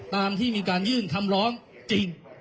ตามที่มีการยื่นคำร้องจริง